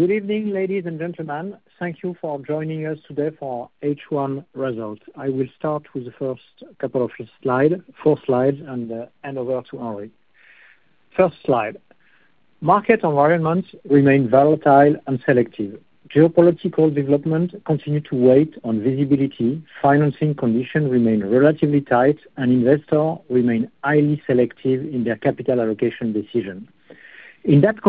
Good evening, ladies and gentlemen. Thank you for joining us today for our H1 results. I will start with the first couple of four slides and hand over to Henri. First slide. Market environments remain volatile and selective. Geopolitical developments continue to weigh on visibility, financing conditions remain relatively tight, and investors remain highly selective in their capital allocation decision. In that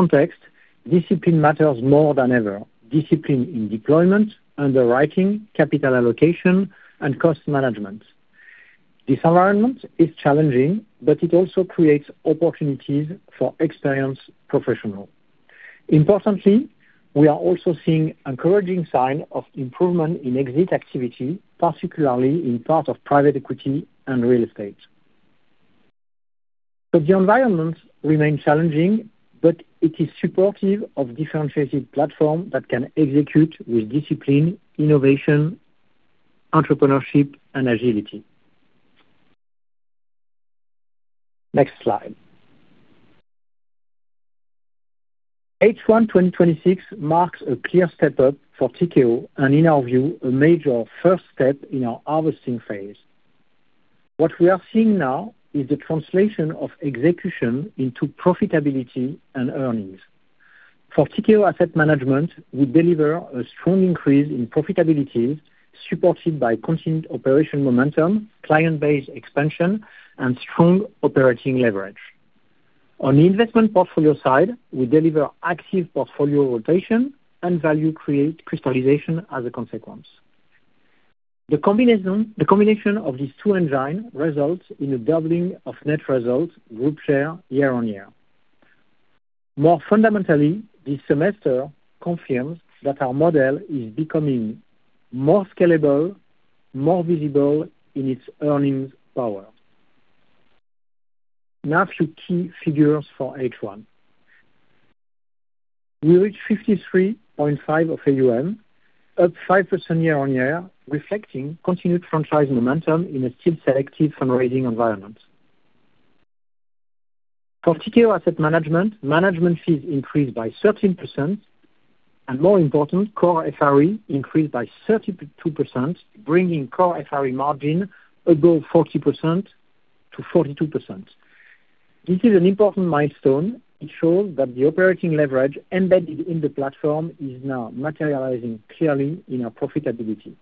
context, discipline matters more than ever. Discipline in deployment, underwriting, capital allocation, and cost management. This environment is challenging, but it also creates opportunities for experienced professionals. Importantly, we are also seeing encouraging signs of improvement in exit activity, particularly in parts of Private Equity and Real Estate. The environment remains challenging, but it is supportive of differentiated platforms that can execute with discipline, innovation, entrepreneurship, and agility. Next slide. H1 2026 marks a clear step up for Tikehau, and in our view, a major first step in our harvesting phase. What we are seeing now is the translation of execution into profitability and earnings. For Tikehau Asset Management, we deliver a strong increase in profitability supported by continued operational momentum, client base expansion, and strong operating leverage. On the investment portfolio side, we deliver active portfolio rotation and value creation crystallization as a consequence. The combination of these two engines results in a doubling of net results group share year-on-year. More fundamentally, this semester confirms that our model is becoming more scalable, more visible in its earnings power. Few key figures for H1. We reached 53.5 of AUM, up 5% year-on-year, reflecting continued franchise momentum in a still selective fundraising environment. For Tikehau Asset Management, management fees increased by 13% and more important, Core FRE increased by 32%, bringing Core FRE margin above 40%-42%. This is an important milestone. It shows that the operating leverage embedded in the platform is now materializing clearly in our profitability.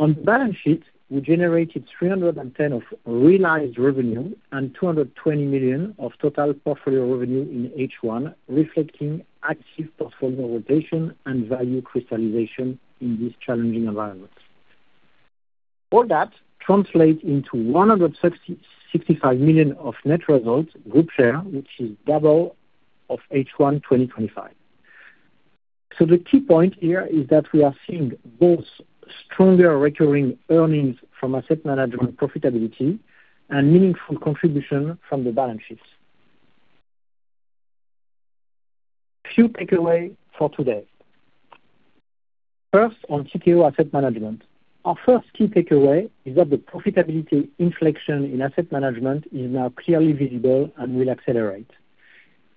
On the balance sheet, we generated 310 of realized revenue and 220 million of total portfolio revenue in H1, reflecting active portfolio rotation and value crystallization in this challenging environment. All that translates into 165 million of net results group share, which is double of H1 2025. The key point here is that we are seeing both stronger recurring earnings from asset management profitability and meaningful contribution from the balance sheet. Few takeaways for today. First, on Tikehau Asset Management. Our first key takeaway is that the profitability inflection in asset management is now clearly visible and will accelerate.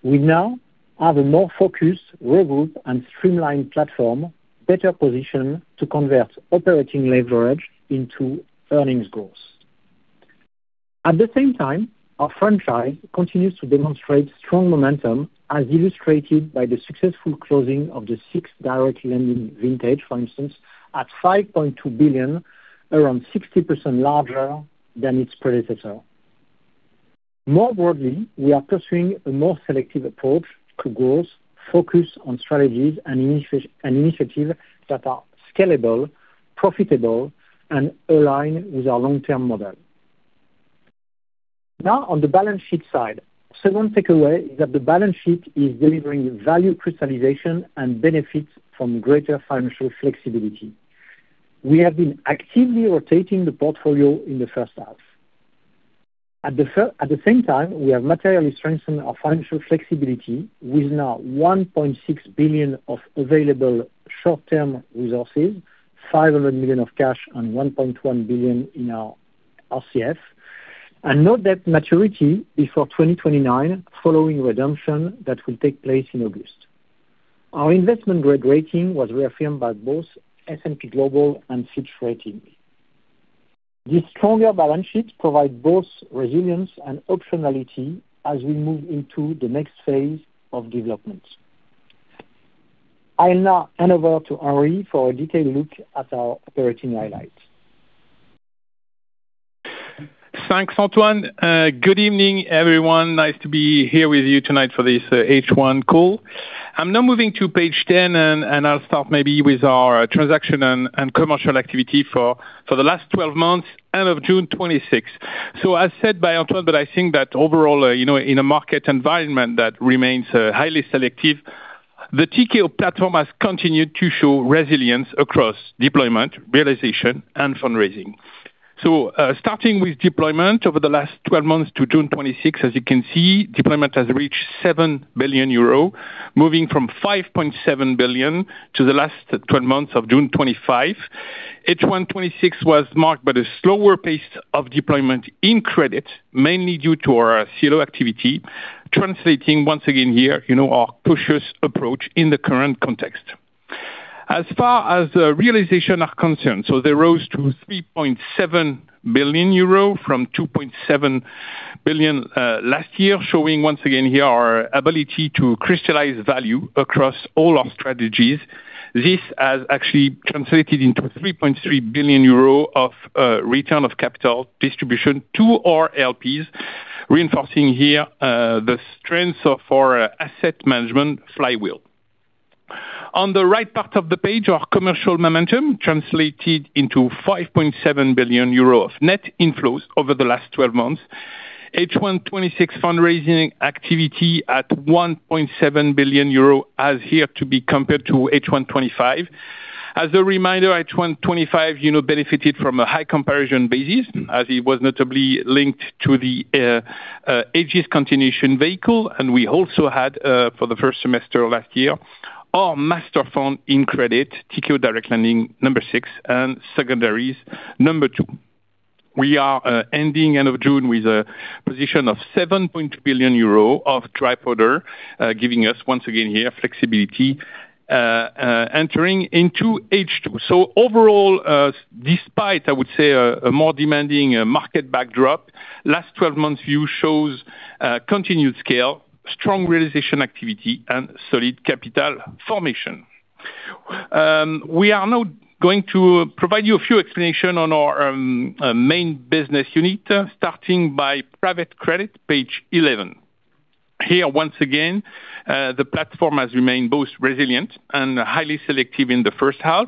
We now have a more focused, regrouped, and streamlined platform, better positioned to convert operating leverage into earnings growth. At the same time, our franchise continues to demonstrate strong momentum as illustrated by the successful closing of the sixth direct lending vintage, for instance, at 5.2 billion, around 60% larger than its predecessor. More broadly, we are pursuing a more selective approach to growth, focused on strategies and initiatives that are scalable, profitable, and aligned with our long-term model. On the balance sheet side. Second takeaway is that the balance sheet is delivering value crystallization and benefits from greater financial flexibility. We have been actively rotating the portfolio in the first half. At the same time, we have materially strengthened our financial flexibility with now 1.6 billion of available short-term resources, 500 million of cash and 1.1 billion in our RCF. Note that maturity before 2029 following redemption that will take place in August. Our investment grade rating was reaffirmed by both S&P Global and Fitch Ratings. This stronger balance sheet provide both resilience and optionality as we move into the next phase of development. I'll now hand over to Henri for a detailed look at our operating highlights. Thanks, Antoine. Good evening, everyone. Nice to be here with you tonight for this H1 call. I'll now moving to page 10, I'll start maybe with our transaction and commercial activity for the last 12 months, end of June 2026. As said by Antoine, but I think that overall, in a market environment that remains highly selective, the Tikehau platform has continued to show resilience across deployment, realization, and fundraising. Starting with deployment over the last 12 months to June 2026, as you can see, deployment has reached 7 billion euro, moving from 5.7 billion to the last 12 months of June 2025. H1 2026 was marked by the slower pace of deployment in credit, mainly due to our CLO activity, translating once again here, our cautious approach in the current context. As far as realization are concerned, they rose to 3.7 billion euro from 2.7 billion last year, showing once again here our ability to crystallize value across all our strategies. This has actually translated into 3.3 billion euro of return of capital distribution to our LPs, reinforcing here the strength of our asset management flywheel. On the right part of the page, our commercial momentum translated into 5.7 billion euro of net inflows over the last 12 months. H1 2026 fundraising activity at 1.7 billion euro as here to be compared to H1 2025. As a reminder, H1 2025 benefited from a high comparison basis as it was notably linked to the Egis continuation vehicle, and we also had for the first semester last year our master fund in credit Tikehau Direct Lending number six and Secondaries number two. We are ending end of June with a position of 7.2 billion euro of dry powder, giving us once again here flexibility entering into H2. Overall, despite I would say a more demanding market backdrop, last 12 months view shows continued scale, strong realization activity, and solid capital formation. We are now going to provide you a few explanation on our main business unit starting by private credit, page 11. Here once again, the platform has remained both resilient and highly selective in the first half.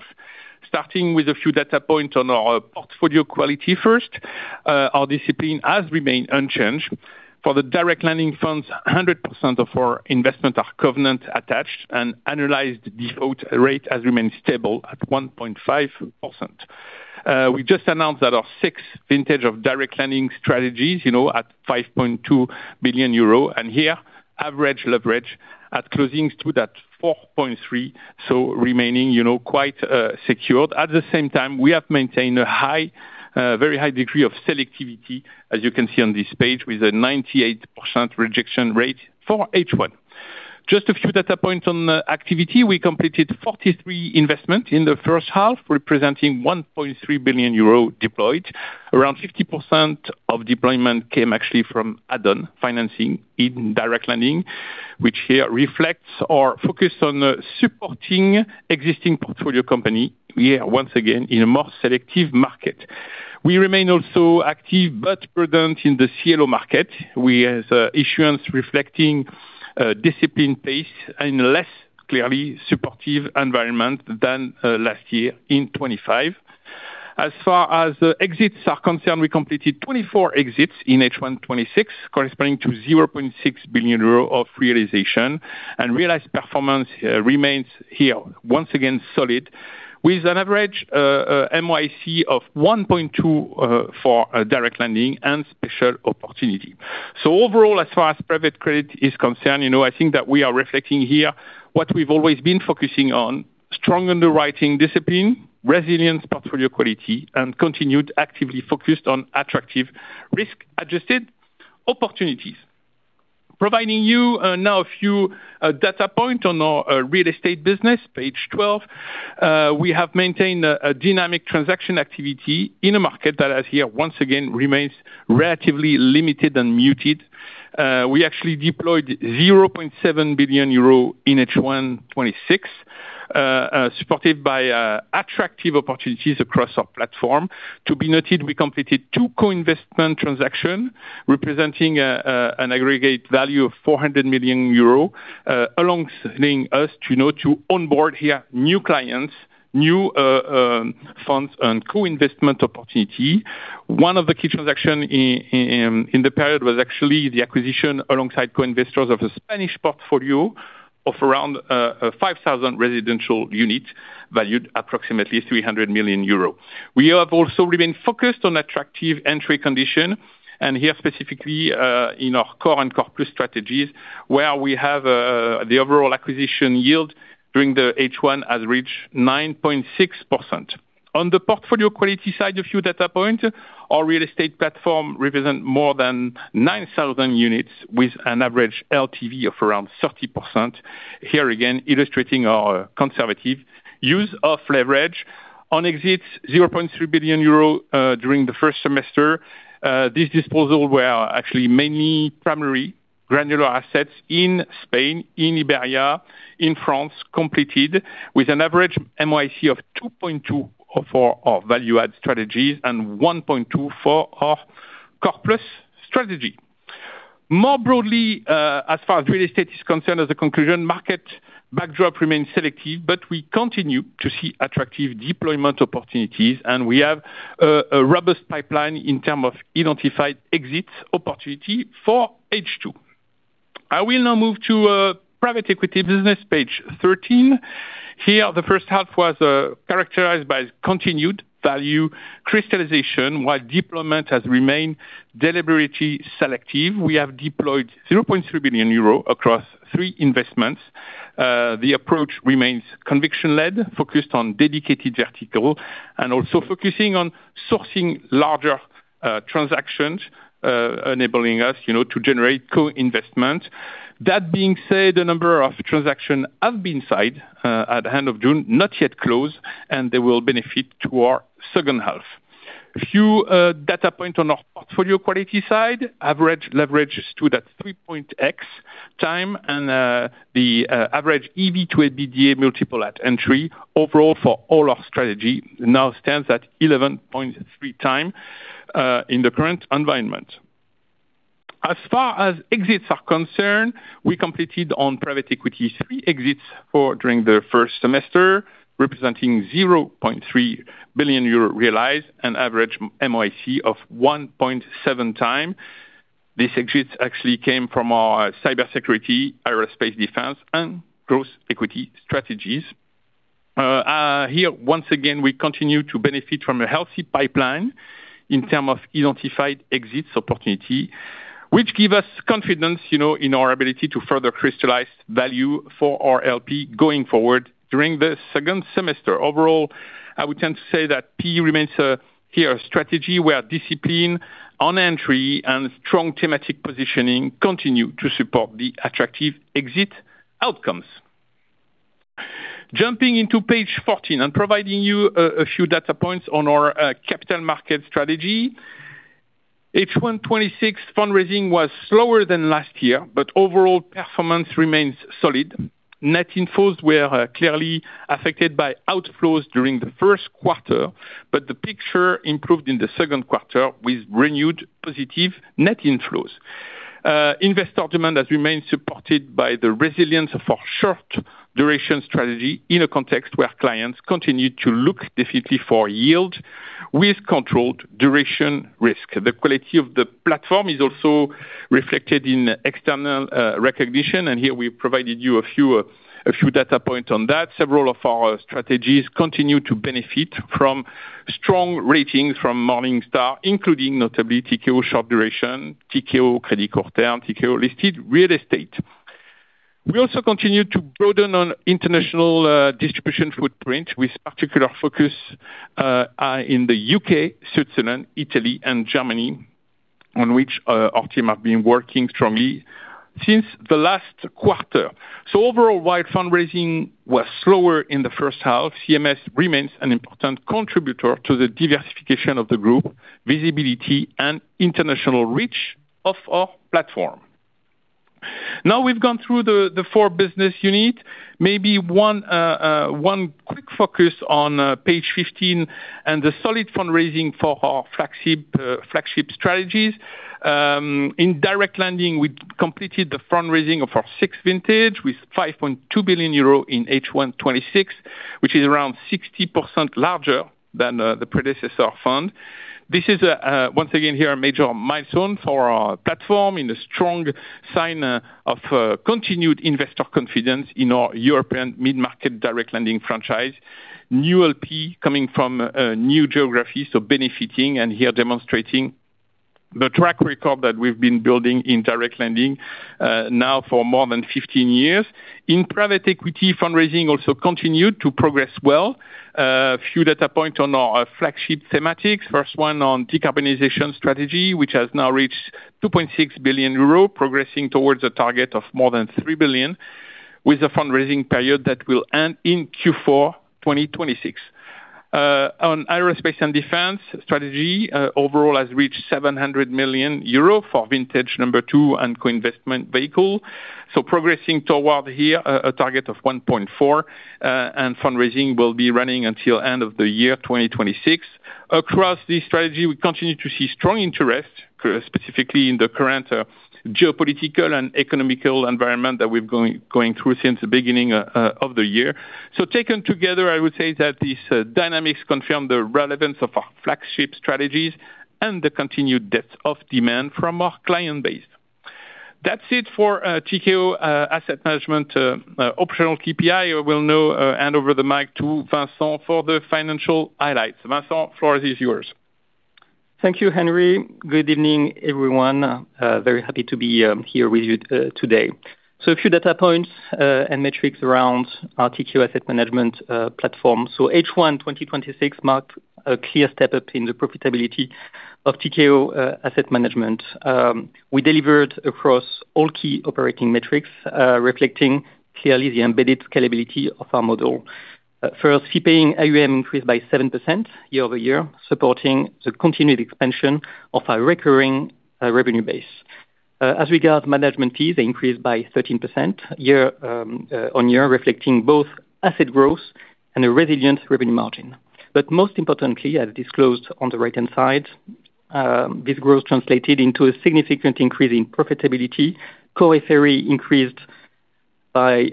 Starting with a few data points on our portfolio quality first. Our discipline has remained unchanged. For the direct lending funds, 100% of our investments are covenant attached, and analyzed default rate has remained stable at 1.5%. We just announced that our sixth vintage of direct lending strategies at 5.2 billion euro, and here average leverage at closings stood at 4.3, remaining quite secured. At the same time, we have maintained a very high degree of selectivity, as you can see on this page, with a 98% rejection rate for H1. Just a few data points on activity. We completed 43 investment in the first half, representing 1.3 billion euro deployed. Around 50% of deployment came actually from add-on financing in direct lending, which here reflects our focus on supporting existing portfolio company here once again in a more selective market. We remain also active but prudent in the CLO market with issuance reflecting discipline pace in a less clearly supportive environment than last year in 2025. As far as the exits are concerned, we completed 24 exits in H1 2026 corresponding to 0.6 billion euros of realization. Realized performance remains here once again solid with an average MOIC of 1.2 for direct lending and special opportunity. Overall, as far as private credit is concerned, I think that we are reflecting here what we've always been focusing on, strong underwriting discipline, resilient portfolio quality, and continued actively focused on attractive risk-adjusted opportunities. Providing you now a few data point on our Real Estate business, page 12. We have maintained a dynamic transaction activity in a market that as here once again remains relatively limited and muted. We actually deployed 0.7 billion euro in H1 2026, supported by attractive opportunities across our platform. To be noted, we completed two co-investment transaction representing an aggregate value of 400 million euro, allowing us to onboard here new clients, new funds, and co-investment opportunity. One of the key transaction in the period was actually the acquisition alongside co-investors of a Spanish portfolio of around 5,000 residential units valued approximately 300 million euro. We have also remained focused on attractive entry condition, and here specifically in our Core and Core Plus strategies, where we have the overall acquisition yield during the H1 has reached 9.6%. On the portfolio quality side, a few data point. Our Real Estate platform represent more than 9,000 units with an average LTV of around 30%. Here again illustrating our conservative use of leverage. On exit, 0.3 billion euro during the first semester. This disposal where actually many primary granular assets in Spain, in Iberia, in France completed with an average MOIC of 2.2 for our Value-Add strategies and 1.2 for our Core Plus strategy. More broadly, as far as Real Estate is concerned as a conclusion, market backdrop remains selective but we continue to see attractive deployment opportunities, and we have a robust pipeline in term of identified exit opportunity for H2. I will now move to private equity business, page 13. Here the first half was characterized by continued value crystallization while deployment has remained deliberately selective. We have deployed 0.3 billion euro across three investments. The approach remains conviction-led, focused on dedicated vertical, and also focusing on sourcing larger transactions enabling us to generate co-investment. That being said, a number of transactions have been signed at the end of June, not yet closed, and they will benefit to our second half. A few data points on our portfolio quality side. Average leverage stood at 3.x times, and the average EV-to-EBITDA multiple at entry overall for all our strategy now stands at 11.3X in the current environment. As far as exits are concerned, we completed on private equity three exits for during the first semester, representing 0.3 billion euro realized, an average MOIC of 1.7.X. These exits actually came from our cybersecurity, aerospace, defense, and growth equity strategies. Here, once again, we continue to benefit from a healthy pipeline in term of identified exits opportunity, which give us confidence in our ability to further crystallize value for our LP going forward during the second semester. Overall, I would tend to say that PE remains a key strategy where discipline on entry and strong thematic positioning continue to support the attractive exit outcomes. Jumping into page 14 and providing you a few data points on our Capital Markets Strategies. H1 2026 fundraising was slower than last year, overall performance remains solid. Net inflows were clearly affected by outflows during the first quarter, but the picture improved in the second quarter with renewed positive net inflows. Investor demand has remained supported by the resilience of our short duration strategy in a context where clients continue to look definitely for yield with controlled duration risk. The quality of the platform is also reflected in external recognition, and here we provided you a few data points on that. Several of our strategies continue to benefit from strong ratings from Morningstar, including notably Tikehau Short Duration, Tikehau Credit Court Terme, Tikehau Listed Real Estate. We also continue to broaden on international distribution footprint with particular focus in the U.K., Switzerland, Italy, and Germany, on which our team have been working strongly since the last quarter. Overall, while fundraising was slower in the first half, CMS remains an important contributor to the diversification of the group, visibility, and international reach of our platform. Now we've gone through the four business unit. Maybe one quick focus on page 15 and the solid fundraising for our flagship strategies. In direct lending, we completed the fundraising of our sixth vintage with 5.2 billion euro in H1 2026, which is around 60% larger than the predecessor fund. This is, once again here, a major milestone for our platform in a strong sign of continued investor confidence in our European mid-market direct lending franchise. New LP coming from new geographies, so benefiting and here demonstrating the track record that we've been building in direct lending now for more than 15 years. In private equity, fundraising also continued to progress well. A few data points on our flagship thematics. First one on decarbonization strategy, which has now reached 2.6 billion euros, progressing towards a target of more than three billion with a fundraising period that will end in Q4 2026. On aerospace and defense strategy overall has reached 700 million euro for vintage number two and co-investment vehicle. Progressing toward here a target of 1.4 billion, and fundraising will be running until end of the year 2026. Across this strategy, we continue to see strong interest, specifically in the current geopolitical and economical environment that we've going through since the beginning of the year. Taken together, I would say that these dynamics confirm the relevance of our flagship strategies and the continued depth of demand from our client base. That's it for Tikehau Asset Management operational KPI. I will now hand over the mic to Vincent for the financial highlights. Vincent, floor is yours. Thank you, Henri. Good evening, everyone. Very happy to be here with you today. A few data points and metrics around our Tikehau Asset Management platform. H1 2026 marked a clear step-up in the profitability of Tikehau Asset Management. We delivered across all key operating metrics, reflecting clearly the embedded scalability of our model. First, Fee-Paying AuM increased by 7% year-over-year, supporting the continued expansion of our recurring revenue base. As regards management fees, they increased by 13% year-on-year, reflecting both asset growth and a resilient revenue margin. Most importantly, as disclosed on the right-hand side, this growth translated into a significant increase in profitability. Core FRE increased by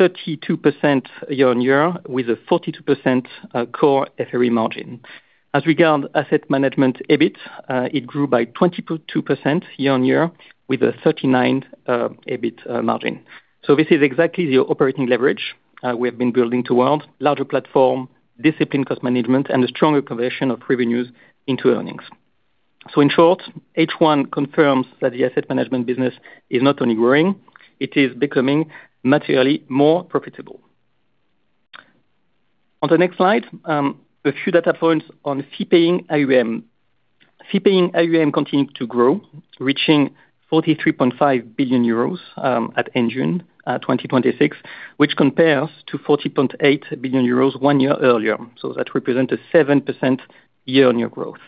32% year-on-year with a 42% Core FRE margin. As regards Asset Management EBIT, it grew by 22% year-on-year with a 39% EBIT margin. This is exactly the operating leverage we have been building toward larger platform, disciplined cost management, and a strong conversion of revenues into earnings. In short, H1 confirms that the asset management business is not only growing, it is becoming materially more profitable. On the next slide, a few data points on Fee-Paying AuM. Fee-Paying AuM continued to grow, reaching 43.5 billion euros at end June 2026, which compares to 40.8 billion euros one year earlier. That represents a 7% year-on-year growth.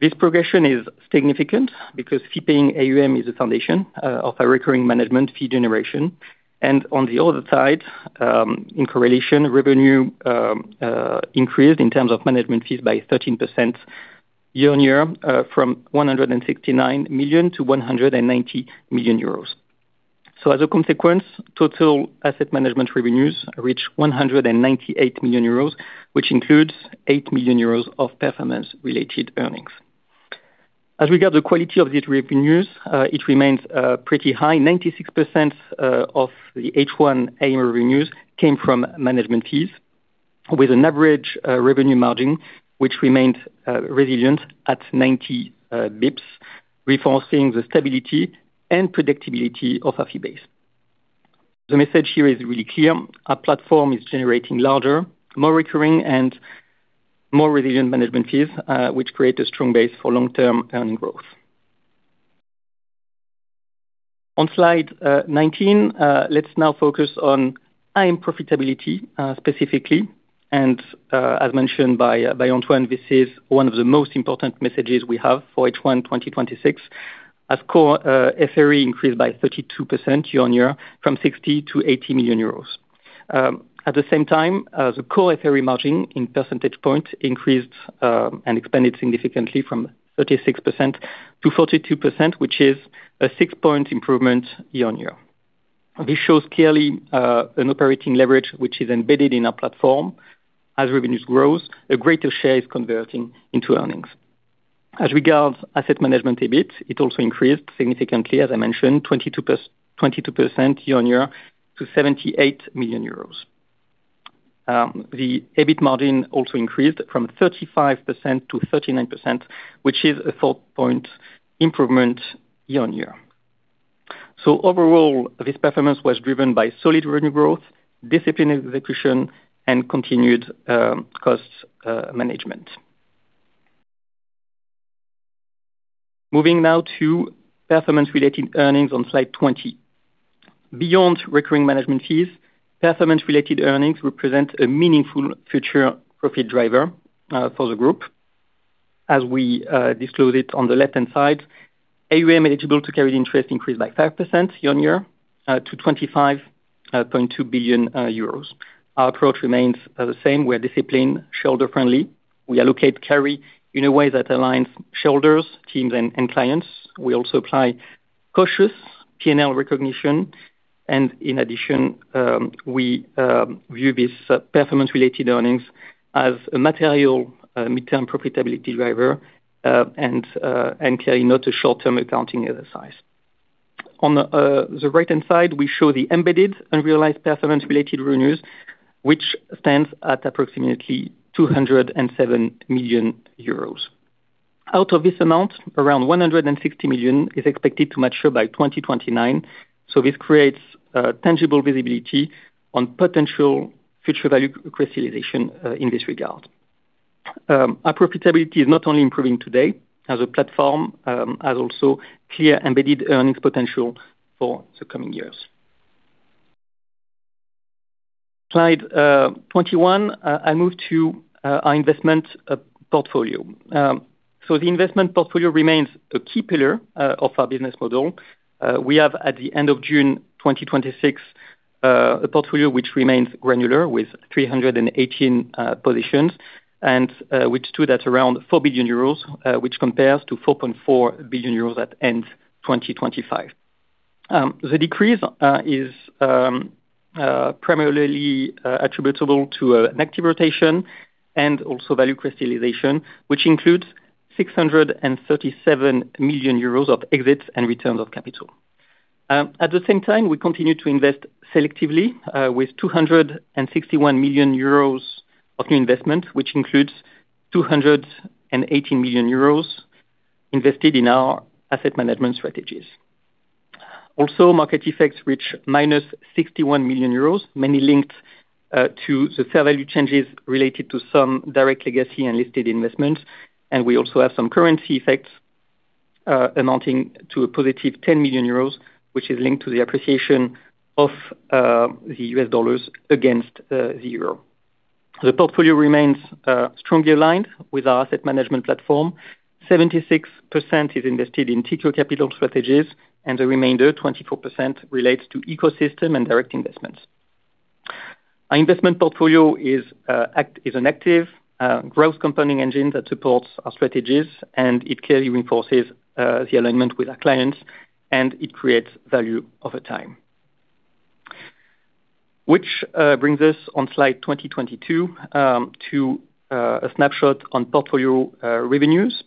This progression is significant because Fee-Paying AuM is a foundation of our recurring management fee generation. On the other side, in correlation, revenue increased in terms of management fees by 13% year-on-year from 169 million to 190 million euros. As a consequence, total asset management revenues reached 198 million euros, which includes 8 million euros of performance-related earnings. As regards the quality of these revenues, it remains pretty high. 96% of the H1 AM revenues came from management fees with an average revenue margin, which remained resilient at 90 bps, reinforcing the stability and predictability of our fee base. The message here is really clear. Our platform is generating larger, more recurring, and more resilient management fees, which create a strong base for long-term earning growth. On slide 19, let's now focus on AM profitability, specifically, and, as mentioned by Antoine, this is one of the most important messages we have for H1 2026. Core FRE increased by 32% year-on-year from 60 million to 80 million euros. At the same time, the Core FRE margin in percentage points increased and expanded significantly from 36% to 42%, which is a six-point improvement year-on-year. This shows clearly an operating leverage which is embedded in our platform. As revenues grow, a greater share is converting into earnings. As regards Asset Management EBIT, it also increased significantly, as I mentioned, 22% year-on-year to EUR 78 million. The EBIT margin also increased from 35% to 39%, which is a four-point improvement year-on-year. Overall, this performance was driven by solid revenue growth, disciplined execution, and continued cost management. Moving now to performance-related earnings on slide 20. Beyond recurring management fees, performance-related earnings represent a meaningful future profit driver for the group, as we disclose it on the left-hand side. AuM eligible to carry interest increased by 5% year-on-year to 25.2 billion euros. Our approach remains the same. We are disciplined, shareholder-friendly. We allocate carry in a way that aligns shareholders, teams, and clients. We also apply cautious P&L recognition, and in addition, we view these performance-related earnings as a material midterm profitability driver, and clearly not a short-term accounting exercise. On the right-hand side, we show the embedded unrealized performance-related revenues, which stands at approximately 207 million euros. Out of this amount, around 160 million is expected to mature by 2029. This creates tangible visibility on potential future value crystallization in this regard. Our profitability is not only improving today as a platform, it has also clear embedded earnings potential for the coming years. Slide 21, I move to our investment portfolio. The investment portfolio remains a key pillar of our business model. We have, at the end of June 2026, a portfolio which remains granular with 318 positions and which stood at around 4 billion euros, which compares to 4.4 billion euros at end 2025. The decrease is primarily attributable to an active rotation and also value crystallization, which includes 637 million euros of exits and returns of capital. At the same time, we continue to invest selectively with 261 million euros of new investment, which includes 218 million euros invested in our asset management strategies. Market effects reach -61 million euros, many linked to the fair value changes related to some direct legacy and listed investments. We also have some currency effects amounting to a +10 million euros, which is linked to the appreciation of the U.S. dollars against the euro. The portfolio remains strongly aligned with our asset management platform. 76% is invested in Tikehau Capital strategies, and the remainder, 24%, relates to ecosystem and direct investments. Our investment portfolio is an active growth compounding engine that supports our strategies. It clearly reinforces the alignment with our clients, and it creates value over time. Which brings us on slide 22 to a snapshot on portfolio revenues.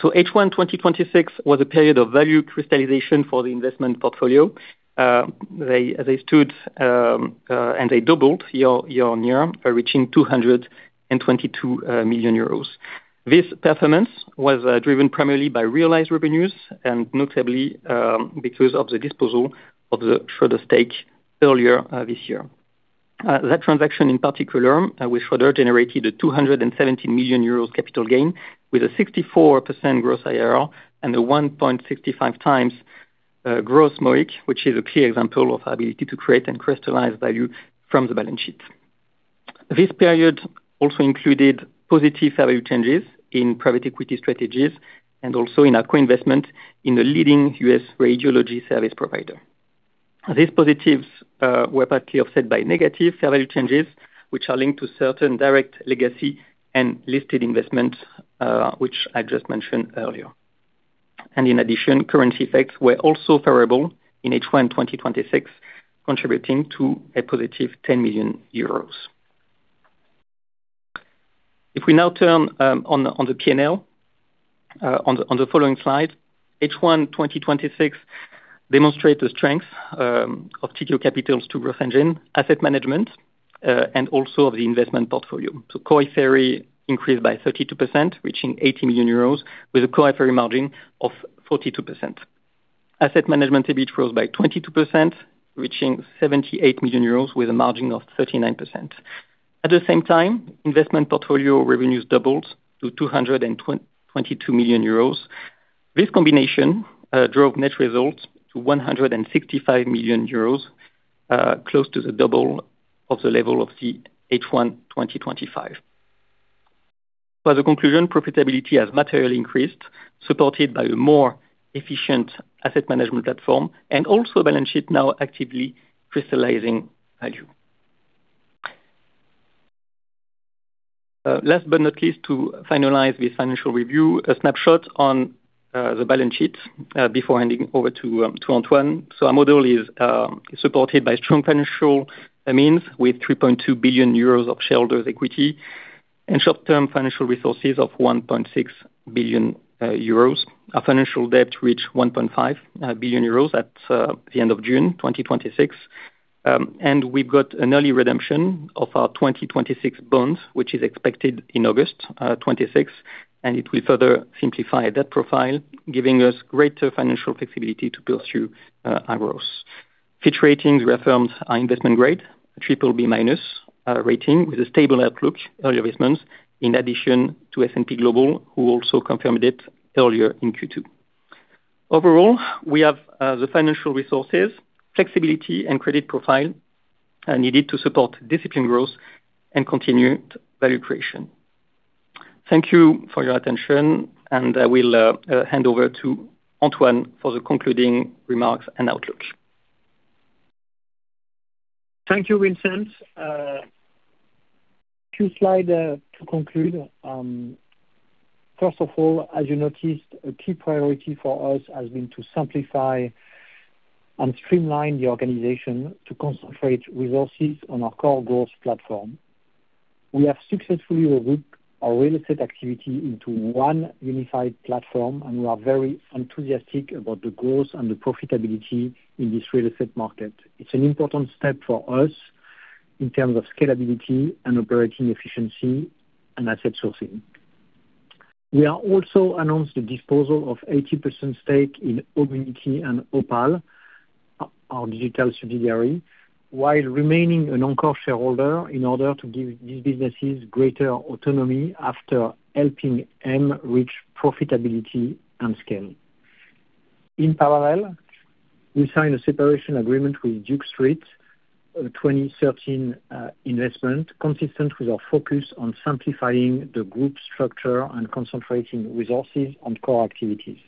H1 2026 was a period of value crystallization for the investment portfolio. They stood, and they doubled year-on-year, reaching 222 million euros. This performance was driven primarily by realized revenues, and notably because of the disposal of the Schroders stake earlier this year. That transaction, in particular, with Schroders generated a 217 million euros capital gain with a 64% gross IRR and a 1.65X gross MOIC, which is a clear example of our ability to create and crystallize value from the balance sheet. This period also included positive value changes in Private Equity strategies and also in our co-investment in the leading U.S. radiology service provider. These positives were partly offset by negative value changes, which are linked to certain direct legacy and listed investments, which I just mentioned earlier. In addition, currency effects were also favorable in H1 2026, contributing to a +10 million euros. If we now turn on the P&L on the following slide, H1 2026 demonstrate the strength of Tikehau Capital's two growth engine, asset management, and also of the investment portfolio. Core FRE increased by 32%, reaching 80 million euros, with a Core FRE margin of 42%. Asset management EBIT rose by 22%, reaching 78 million euros, with a margin of 39%. At the same time, investment portfolio revenues doubled to 222 million euros. This combination drove net results to 165 million euros, close to the double of the level of the H1 2025. By the conclusion, profitability has materially increased, supported by a more efficient asset management platform and also a balance sheet now actively crystallizing value. Last but not least, to finalize this financial review, a snapshot on the balance sheet before handing over to Antoine. Our model is supported by strong financial means with 3.2 billion euros of shareholders' equity and short-term financial resources of 1.6 billion euros. Our financial debt reached 1.5 billion euros at the end of June 2026. We've got an early redemption of our 2026 bonds, which is expected in August 2026, and it will further simplify that profile, giving us greater financial flexibility to pursue our growth. Fitch Ratings reaffirmed our investment grade, BBB- rating with a stable outlook earlier this month, in addition to S&P Global, who also confirmed it earlier in Q2. Overall, we have the financial resources, flexibility, and credit profile needed to support disciplined growth and continued value creation. Thank you for your attention, and I will hand over to Antoine for the concluding remarks and outlook. Thank you, Vincent. Two slide to conclude. First of all, as you noticed, a key priority for us has been to simplify and streamline the organization to concentrate resources on our core growth platform. We have successfully regrouped our Real Estate activity into one unified platform, and we are very enthusiastic about the growth and the profitability in this Real Estate market. It's an important step for us in terms of scalability and operating efficiency and asset sourcing. We also announced the disposal of 80% stake in Homunity and Opale, our digital subsidiary, while remaining an anchor shareholder in order to give these businesses greater autonomy after helping them reach profitability and scale. In parallel, we signed a separation agreement with Duke Street, a 2013 investment consistent with our focus on simplifying the group structure and concentrating resources on core activities.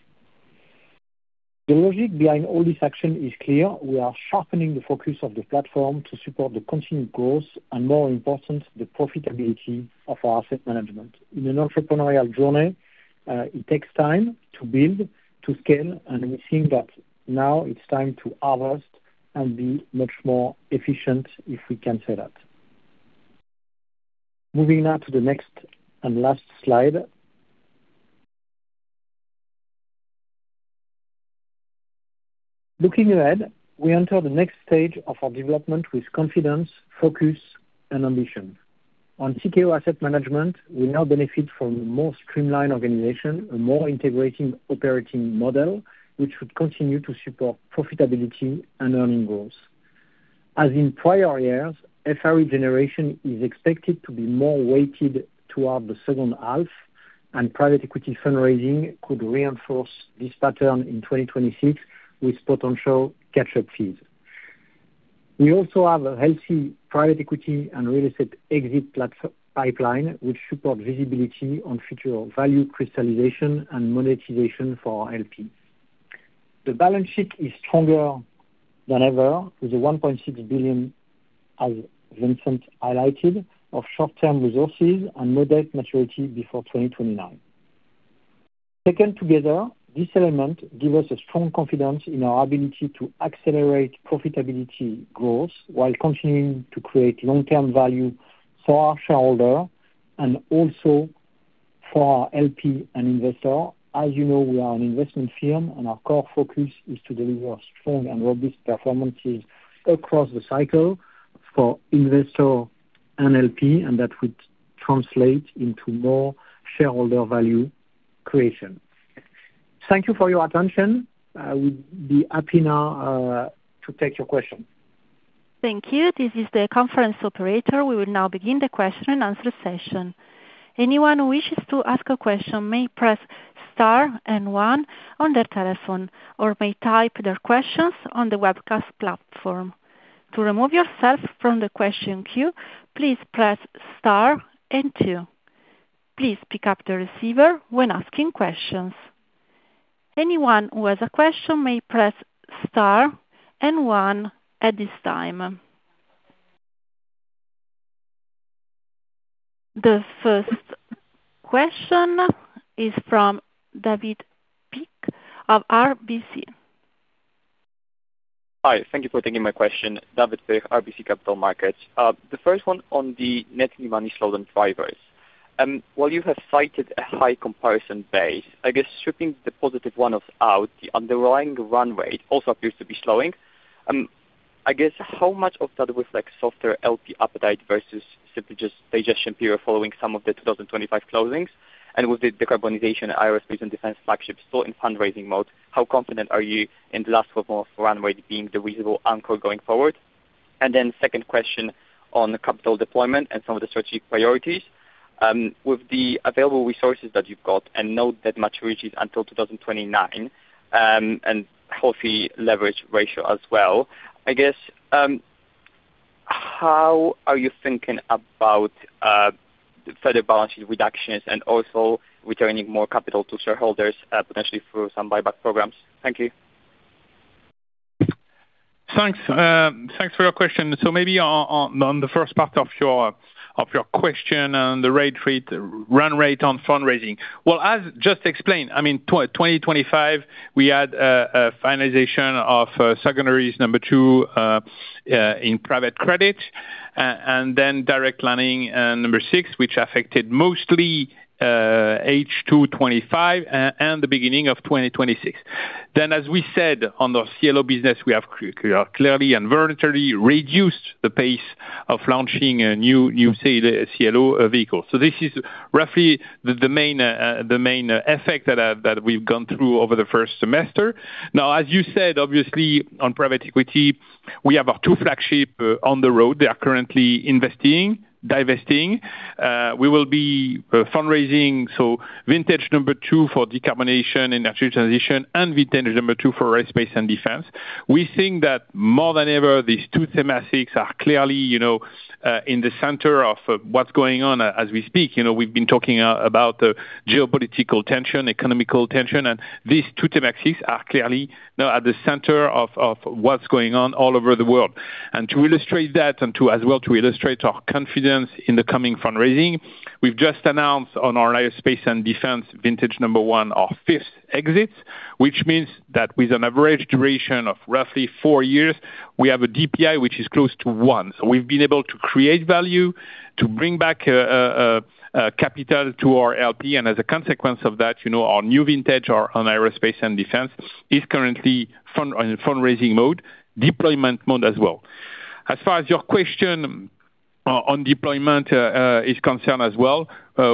The logic behind all this action is clear. We are sharpening the focus of the platform to support the continued growth and, more important, the profitability of our asset management. In an entrepreneurial journey, it takes time to build, to scale, and we think that now it's time to harvest and be much more efficient, if we can say that. Moving now to the next and last slide. Looking ahead, we enter the next stage of our development with confidence, focus, and ambition. On Tikehau Asset Management, we now benefit from a more streamlined organization, a more integrating operating model, which would continue to support profitability and earning growth. As in prior years, FRE generation is expected to be more weighted toward the second half, and Private Equity fundraising could reinforce this pattern in 2026 with potential catch-up fees. We also have a healthy Private Equity and Real Estate exit platform pipeline, which support visibility on future value crystallization and monetization for our LP. The balance sheet is stronger than ever, with 1.6 billion, as Vincent highlighted, of short-term resources and no debt maturity before 2029. Taken together, this element give us a strong confidence in our ability to accelerate profitability growth while continuing to create long-term value for our shareholder and also for our LP and investor. As you know, we are an investment firm, and our core focus is to deliver strong and robust performances across the cycle. For investor LPs, that would translate into more shareholder value creation. Thank you for your attention. I would be happy now to take your question. Thank you. This is the conference operator. We will now begin the question-and-answer session. Anyone who wishes to ask a question may press Star and One on their telephone or may type their questions on the webcast platform. To remove yourself from the question queue, please press Star and Two. Please pick up the receiver when asking questions. Anyone who has a question may press Star and One at this time. The first question is from David Beck of RBC. Hi, thank you for taking my question. David Beck, RBC Capital Markets. The first one on the net new money slower drivers. While you have cited a high comparison base, I guess stripping the positive one-off out, the underlying run rate also appears to be slowing. I guess, how much of that reflects softer LP appetite versus simply just digestion period following some of the 2025 closings, and with the decarbonization aerospace and defense flagship still in fundraising mode, how confident are you in the last 12 months run rate being the reasonable anchor going forward? Then second question on capital deployment and some of the strategic priorities. With the available resources that you've got, and note that maturity is until 2029, and healthy leverage ratio as well, I guess, how are you thinking about further balance sheet reductions and also returning more capital to shareholders potentially through some buyback programs? Thank you. Thanks for your question. Maybe on the first part of your question on the run rate on fundraising. As just explained, 2025, we had a finalization of Tikehau Private Debt Secondaries II in Private Credit, and then Tikehau Direct Lending VI, which affected mostly H2 2025 and the beginning of 2026. As we said on the CLO business, we have clearly and voluntarily reduced the pace of launching a new CLO vehicle. This is roughly the main effect that we've gone through over the first semester. As you said, obviously on Private Equity, we have our two flagship on the road. They are currently divesting. We will be fundraising, vintage number 2 for decarbonization and energy transition, and vintage number 2 for aerospace and defense. We think that more than ever, these two thematics are clearly in the center of what's going on as we speak. We've been talking about the geopolitical tension, economical tension, these two thematics are clearly now at the center of what's going on all over the world. To illustrate that, as well to illustrate our confidence in the coming fundraising, we've just announced on our aerospace and defense vintage number 1, our fifth exit, which means that with an average duration of roughly four years, we have a DPI which is close to one. We've been able to create value to bring back capital to our LP. As a consequence of that, our new vintage on aerospace and defense is currently in fundraising mode, deployment mode as well. As far as your question on deployment is concerned as well,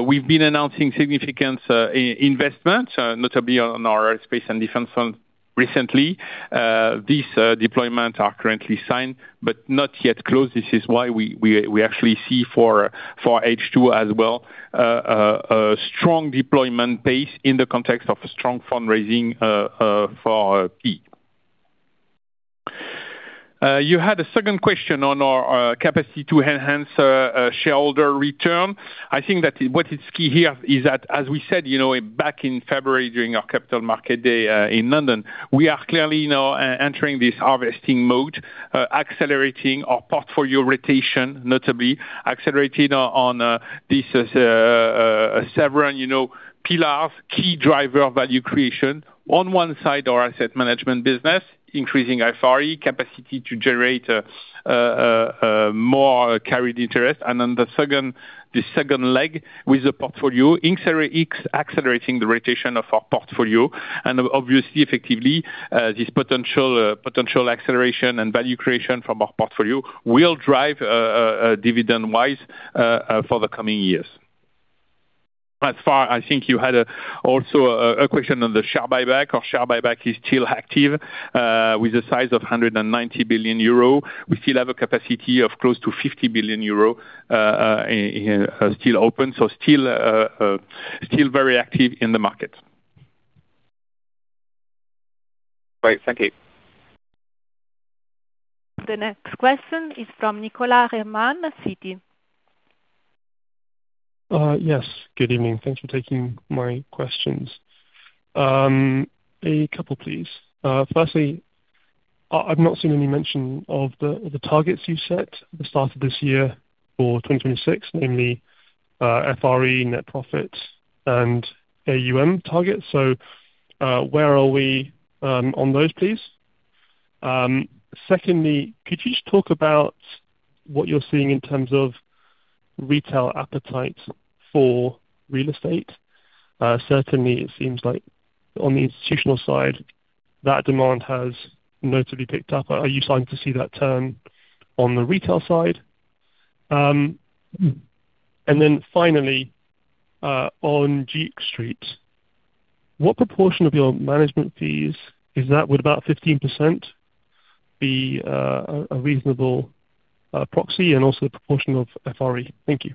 we've been announcing significant investments, notably on our aerospace and defense fund recently. These deployments are currently signed but not yet closed. This is why we actually see for H2 as well a strong deployment pace in the context of a strong fundraising for Private Equity. You had a second question on our capacity to enhance shareholder return. I think that what is key here is that as we said back in February during our Capital Markets Day in London, we are clearly now entering this harvesting mode, accelerating our portfolio rotation, notably accelerating on these several pillars, key driver value creation. On one side, our asset management business, increasing FRE capacity to generate more carried interest. The second leg with the portfolio, accelerating the rotation of our portfolio. Obviously, effectively, this potential acceleration and value creation from our portfolio will drive dividend-wise for the coming years. As far, I think you had also a question on the share buyback. Our share buyback is still active with a size of 190 million euro. We still have a capacity of close to 50 million euro still open, still very active in the market. Great, thank you. The next question is from Nicholas Herman, Citi. Yes, good evening. Thanks for taking my questions. A couple, please. Firstly, I've not seen any mention of the targets you set at the start of this year for 2026, namely FRE net profit and AUM targets. Where are we on those, please? Secondly, could you just talk about what you're seeing in terms of retail appetite for Real Estate. Certainly, it seems like on the institutional side, that demand has notably picked up. Are you starting to see that turn on the retail side? Finally, on Duke Street, what proportion of your management fees is that? Would about 15% be a reasonable proxy, and also the proportion of FRE? Thank you.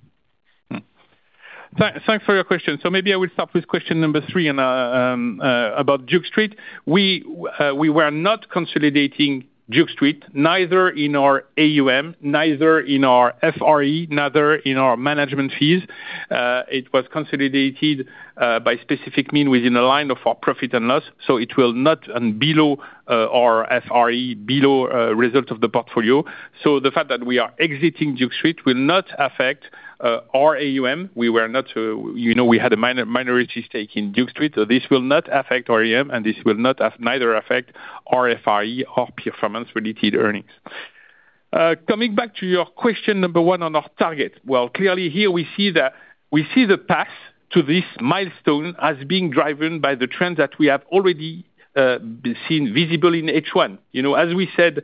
Thanks for your question. Maybe I will start with question number three about Duke Street. We were not consolidating Duke Street, neither in our AUM, neither in our FRE, neither in our management fees. It was consolidated by specific mean within a line of our profit and loss, it will not below our FRE, below result of the portfolio. The fact that we are exiting Duke Street will not affect our AUM. We had a minority stake in Duke Street, this will not affect our AUM, and this will neither affect our FRE or performance-related earnings. Coming back to your question number 1 on our target. Clearly here we see the path to this milestone as being driven by the trends that we have already seen visible in H1. As we said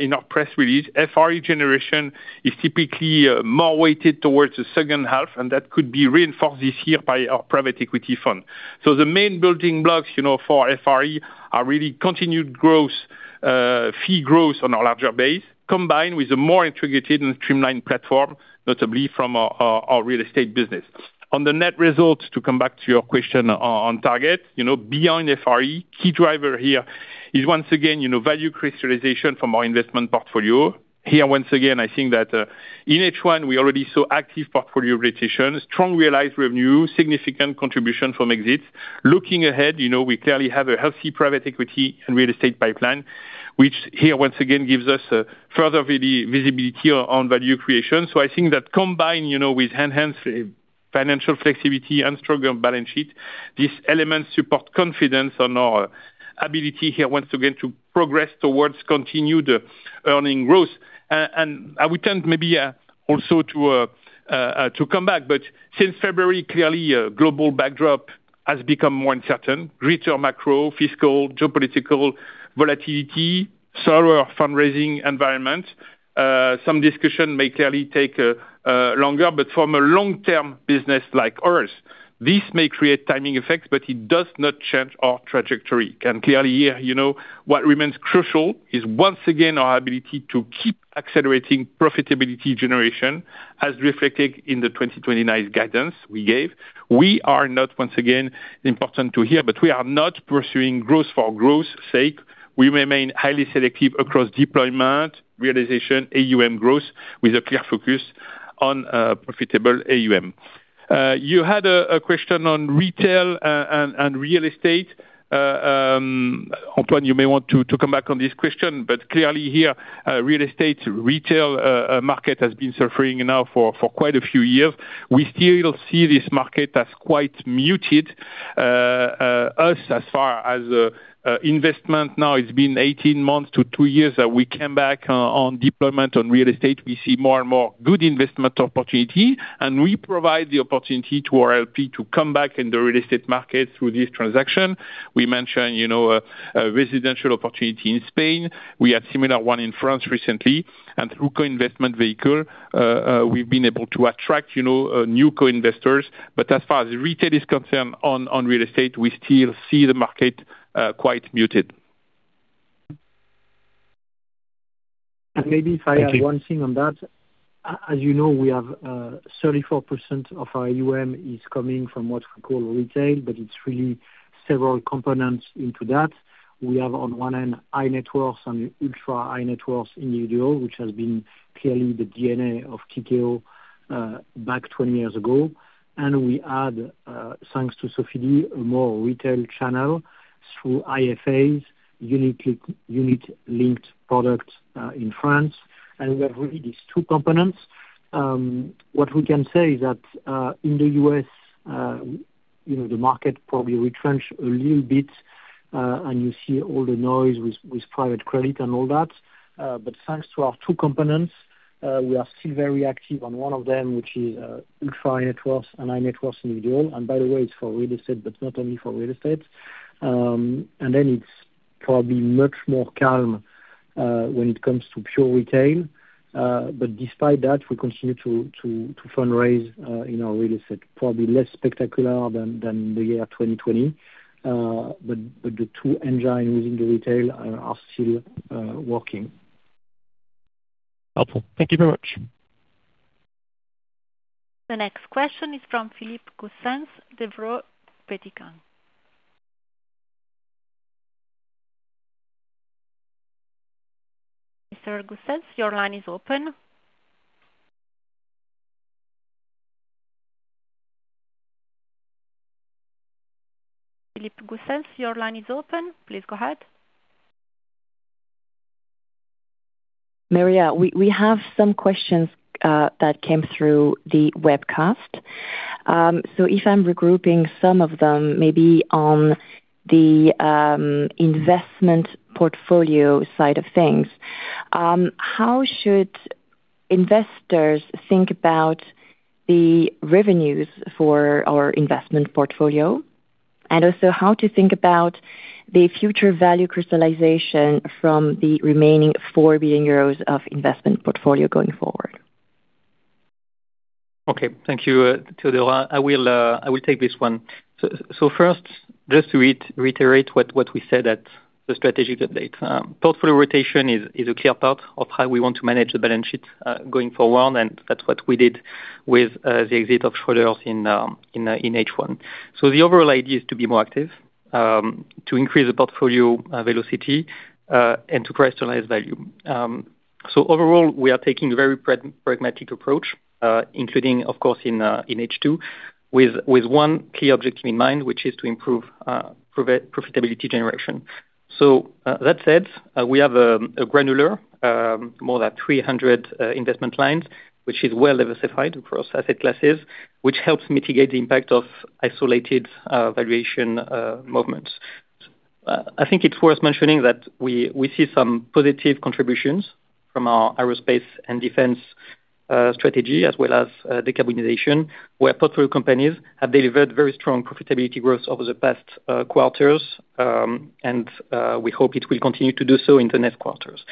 in our press release, FRE generation is typically more weighted towards the second half, and that could be reinforced this year by our Private Equity fund. The main building blocks for our FRE are really continued fee growth on a larger base, combined with a more integrated and streamlined platform, notably from our Real Estate business. On the net results, to come back to your question on target. Beyond FRE, key driver here is once again, value crystallization from our investment portfolio. Here, once again, I think that in H1 we already saw active portfolio rotation, strong realized revenue, significant contribution from exits. Looking ahead, we clearly have a healthy Private Equity and Real Estate pipeline, which here once again gives us further visibility on value creation. I think that combined with enhanced financial flexibility and stronger balance sheet, these elements support confidence on our ability here, once again, to progress towards continued earnings growth. I would tend maybe also to come back, but since February, clearly global backdrop has become more uncertain. Greater macro, fiscal, geopolitical volatility, slower fundraising environment. Some discussion may clearly take longer, but from a long-term business like ours, this may create timing effects, but it does not change our trajectory. Clearly here, what remains crucial is once again our ability to keep accelerating profitability generation, as reflected in the 2029 guidance we gave. Once again, important to hear, but we are not pursuing growth for growth's sake. We remain highly selective across deployment, realization, AUM growth, with a clear focus on profitable AUM. You had a question on retail and Real Estate. Antoine, you may want to come back on this question, but clearly here, Real Estate retail market has been suffering now for quite a few years. We still see this market as quite muted. Us, as far as investment now, it's been 18 months to two years that we came back on deployment on Real Estate. We see more and more good investment opportunity, and we provide the opportunity to our LP to come back in the Real Estate market through this transaction. We mentioned a residential opportunity in Spain. We had similar one in France recently. And through co-investment vehicle, we've been able to attract new co-investors. But as far as retail is concerned on Real Estate, we still see the market quite muted. Thank you. Maybe if I add one thing on that. As you know, we have 34% of our AUM is coming from what we call retail, but it's really several components into that. We have on one end, high net worth and ultra-high net worth individual, which has been clearly the DNA of Tikehau back 20 years ago. We add, thanks to Sofidy, a more retail channel through IFAs, unit-linked product in France. We have really these two components. What we can say is that in the U.S., the market probably retrenched a little bit, and you see all the noise with Private Credit and all that. Thanks to our two components, we are still very active on one of them, which is ultra-high net worth and high net worth individual. By the way, it's for Real Estate, but not only for Real Estate. It's probably much more calm when it comes to pure retail. Despite that, we continue to fundraise in our Real Estate, probably less spectacular than the year 2020. The two engines within the retail are still working. Helpful. Thank you very much. The next question is from Philippe Goossens, Degroof Petercam. Mr. Goossens, your line is open. Philippe Goossens, your line is open. Please go ahead. Maria, we have some questions that came through the webcast. If I'm regrouping some of them, maybe on the investment portfolio side of things, how should investors think about the revenues for our investment portfolio? And also how to think about the future value crystallization from the remaining 4 billion euros of investment portfolio going forward. Okay. Thank you, Théodora. I will take this one. First, just to reiterate what we said at the strategic update. Portfolio rotation is a key part of how we want to manage the balance sheet going forward, and that's what we did with the exit of Schroders in H1. The overall idea is to be more active, to increase the portfolio velocity, and to crystallize value. Overall, we are taking a very pragmatic approach, including of course in H2, with one key objective in mind, which is to improve profitability generation. That said, we have a granular, more than 300 investment clients, which is well-diversified across asset classes, which helps mitigate the impact of isolated valuation movements. I think it's worth mentioning that we see some positive contributions from our Aerospace and Defense strategy as well as Decarbonization, where portfolio companies have delivered very strong profitability growth over the past quarters. We hope it will continue to do so in the next quarters.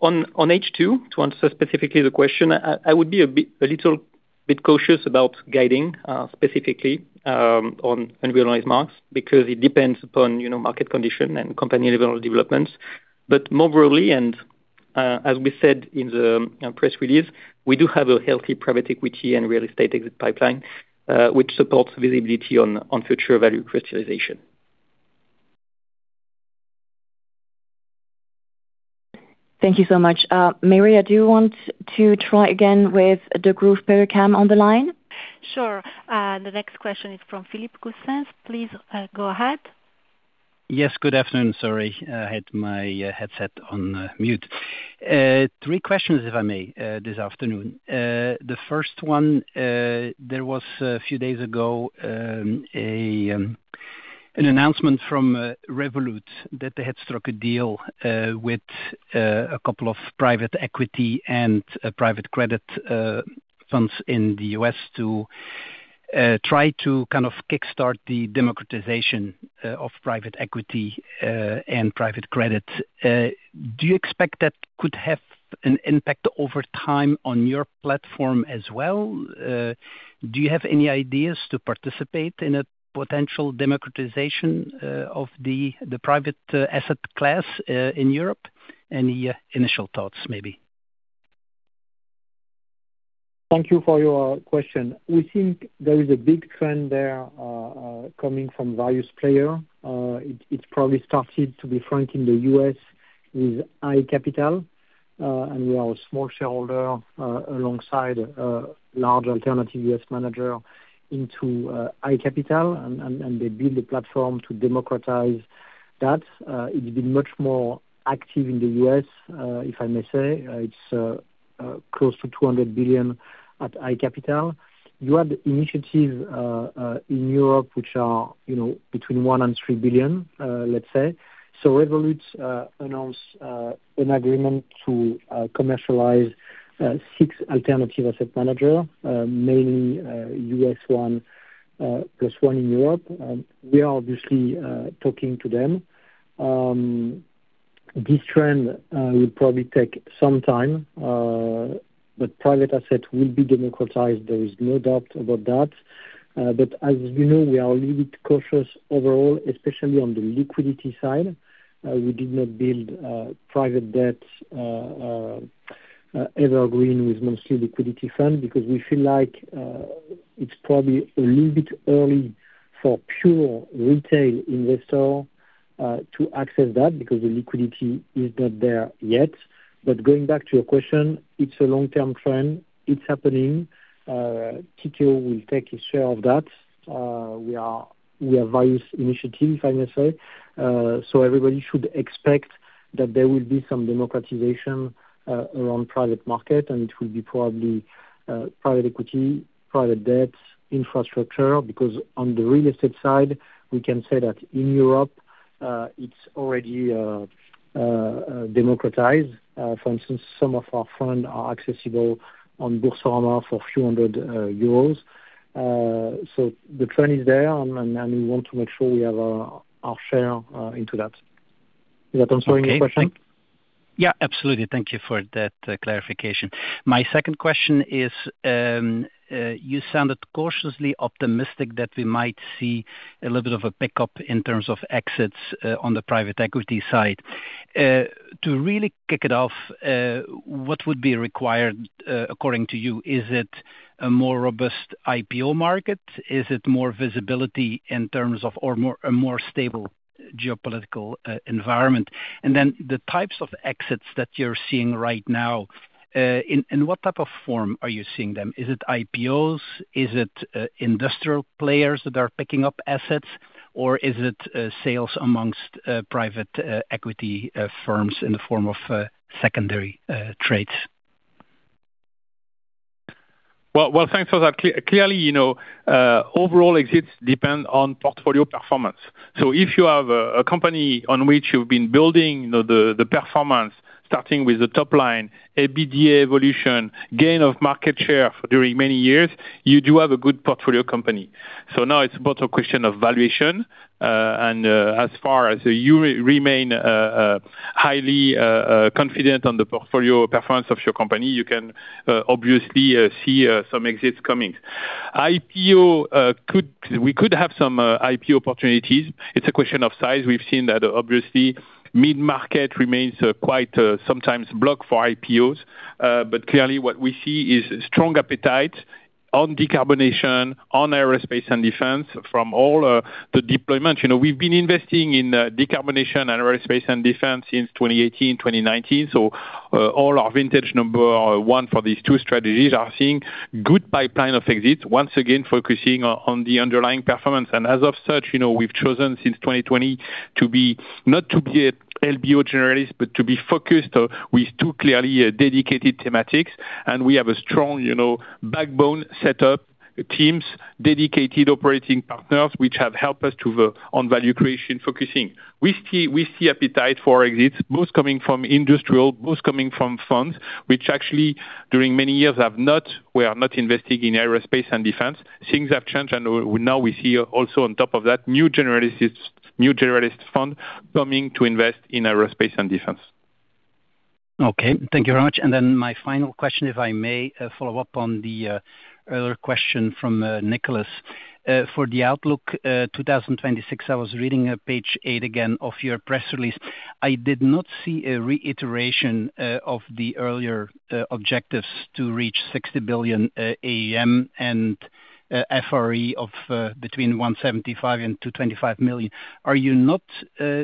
On H2, to answer specifically the question, I would be a little bit cautious about guiding, specifically, on unrealized marks, because it depends upon market condition and company-level developments. More broadly, and as we said in the press release, we do have a healthy Private Equity and Real Estate exit pipeline, which supports visibility on future value crystallization. Thank you so much. Mary, do you want to try again with the Group Berenberg on the line? Sure. The next question is from Philippe Goossens. Please go ahead. Yes, good afternoon. Sorry, I had my headset on mute. Three questions if I may, this afternoon. The first one, there was a few days ago, an announcement from Revolut that they had struck a deal with a couple of Private Equity and Private Credit funds in the U.S. to try to kind of kickstart the democratization of Private Equity and Private Credit. Do you expect that could have an impact over time on your platform as well? Do you have any ideas to participate in a potential democratization of the private asset class in Europe? Any initial thoughts, maybe. Thank you for your question. We think there is a big trend there coming from various player. It probably started, to be frank, in the U.S. with iCapital. We are a small shareholder alongside large alternative U.S. manager into iCapital, and they build a platform to democratize that. It's been much more active in the U.S., if I may say. It's close to 200 billion at iCapital. You have initiatives in Europe which are between 1 billion and 3 billion, let's say. Revolut announced an agreement to commercialize six alternative asset manager, mainly U.S. one, plus one in Europe. We are obviously talking to them. This trend will probably take some time. Private asset will be democratized, there is no doubt about that. As you know, we are a little bit cautious overall, especially on the liquidity side. We did not build Private Debt evergreen with mostly liquidity fund, because we feel like it's probably a little bit early for pure retail investor to access that because the liquidity is not there yet. Going back to your question, it's a long-term trend. It's happening. Tikehau will take a share of that. We are various initiative, if I may say. Everybody should expect that there will be some democratization around Private market, and it will be probably Private Equity, Private Debt, infrastructure, because on the Real Estate side, we can say that in Europe, it's already democratized. For instance, some of our fund are accessible on Boursorama for a few hundred euros. The trend is there, and we want to make sure we have our share into that. Does that answer your question? Absolutely. Thank you for that clarification. My second question is, you sounded cautiously optimistic that we might see a little bit of a pickup in terms of exits on the Private Equity side. To really kick it off, what would be required, according to you? Is it a more robust IPO market? Is it more visibility in terms of a more stable geopolitical environment? Then the types of exits that you're seeing right now, in what type of form are you seeing them? Is it IPOs? Is it industrial players that are picking up assets? Or is it sales amongst Private Equity firms in the form of secondary trades? Thanks for that. Clearly, overall exits depend on portfolio performance. If you have a company on which you've been building the performance, starting with the top line, EBITDA evolution, gain of market share during many years, you do have a good portfolio company. Now it's both a question of valuation, and as far as you remain highly confident on the portfolio performance of your company, you can obviously see some exits coming. We could have some IPO opportunities. It's a question of size. We've seen that obviously mid-market remains quite sometimes blocked for IPOs. Clearly what we see is strong appetite on decarbonization, on aerospace and defense from all the deployments. We've been investing in decarbonization and aerospace and defense since 2018, 2019. All our vintage number 1 for these two strategies are seeing good pipeline of exits, once again focusing on the underlying performance. As of such, we've chosen since 2020 not to be a LBO generalist, but to be focused with two clearly dedicated thematics. We have a strong backbone set up, teams, dedicated operating partners, which have helped us on value creation focusing. We see appetite for exits, both coming from industrial, both coming from funds, which actually during many years we are not investing in aerospace and defense. Things have changed, now we see also on top of that, new generalist fund coming to invest in aerospace and defense. Thank you very much. Then my final question, if I may follow up on the earlier question from Nicholas. For the outlook 2026, I was reading page eight again of your press release. I did not see a reiteration of the earlier objectives to reach 60 billion AUM and FRE of between 175 million and 225 million. Are you not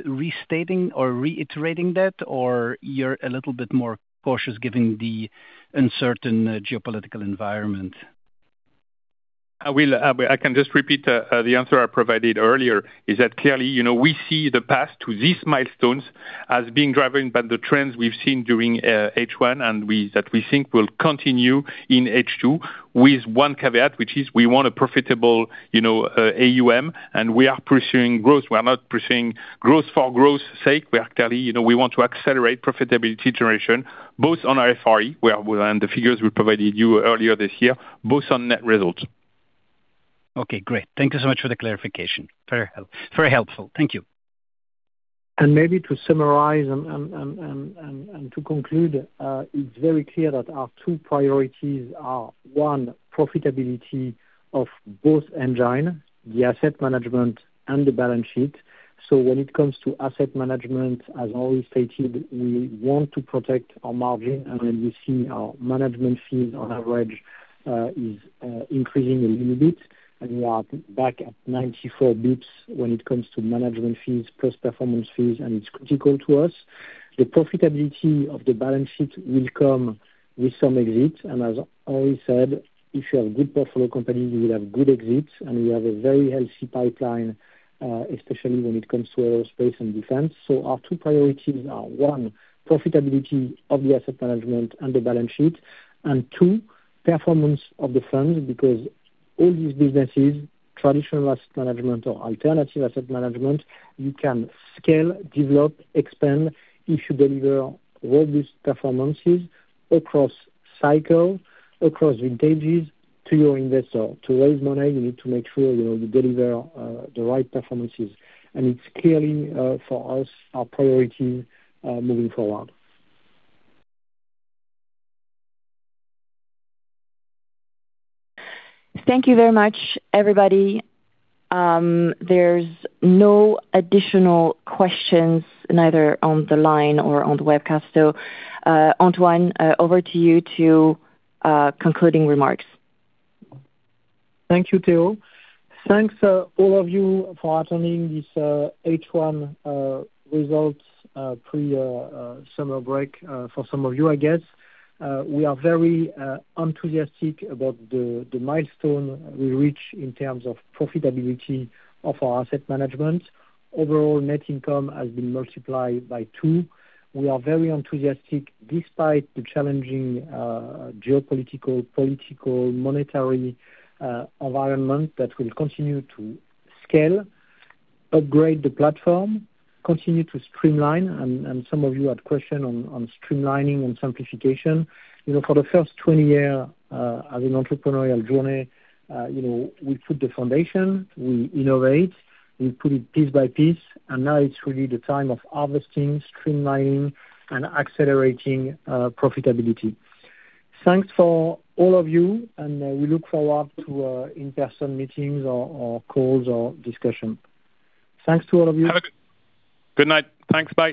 restating or reiterating that, or you're a little bit more cautious given the uncertain geopolitical environment? I can just repeat the answer I provided earlier, is that clearly, we see the path to these milestones as being driven by the trends we've seen during H1, and that we think will continue in H2 with one caveat, which is we want a profitable AUM, and we are pursuing growth. We are not pursuing growth for growth's sake. We want to accelerate profitability generation, both on our FRE, and the figures we provided you earlier this year, both on net results. Okay, great. Thank you so much for the clarification. Very helpful. Thank you. Maybe to summarize and to conclude, it's very clear that our two priorities are, one, profitability of both engine, the asset management and the balance sheet. When it comes to asset management, as Henri stated, we want to protect our margin, and we see our management fees on average is increasing a little bit, and we are back at 94 basis points when it comes to management fees plus performance fees, and it's critical to us. The profitability of the balance sheet will come with some exit, and as Henri said, if you have good portfolio company, you will have good exits, and we have a very healthy pipeline, especially when it comes to aerospace and defense. Our two priorities are, one, profitability of the asset management and the balance sheet, and two, performance of the funds, because all these businesses, traditional asset management or alternative asset management, you can scale, develop, expand if you deliver robust performances across cycle, across vintages to your investor. To raise money, you need to make sure you deliver the right performances. It's clearly, for us, our priority moving forward. Thank you very much, everybody. There's no additional questions, neither on the line or on the webcast. Antoine, over to you to concluding remarks. Thank you, Theo. Thanks all of you for attending this H1 results pre-summer break, for some of you, I guess. We are very enthusiastic about the milestone we reach in terms of profitability of our asset management. Overall net income has been multiplied by two. We are very enthusiastic, despite the challenging geopolitical, political, monetary environment that will continue to scale, upgrade the platform, continue to streamline, and some of you had question on streamlining and simplification. For the first 20 year as an entrepreneurial journey, we put the foundation, we innovate, we put it piece by piece. Now it's really the time of harvesting, streamlining, and accelerating profitability. Thanks for all of you. We look forward to in-person meetings or calls or discussion. Thanks to all of you. Have a good. Good night. Thanks. Bye